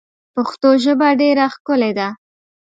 پښتو ژبه ډیر ښکلی ده.